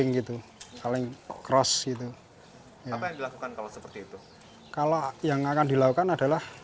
gitu paling cross gitu apa yang dilakukan kalau seperti itu kalau yang akan dilakukan adalah